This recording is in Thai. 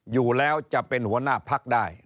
อยู่แล้วจะเป็นหัวหน้าพักได้